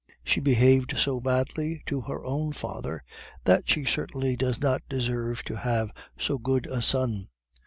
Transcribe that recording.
She behaved so badly to her own father, that she certainly does not deserve to have so good a son.